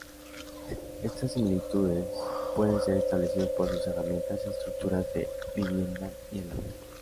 Estas similitudes pueden ser establecidos por sus herramientas, estructuras de vivienda, y el arte.